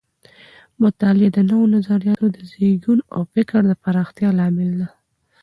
مطالعه د نوو نظریاتو د زیږون او د فکر د پراختیا لامل ده.